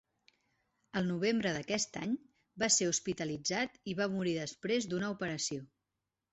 Al novembre d'aquest any, va ser hospitalitzat i va morir després d'una operació.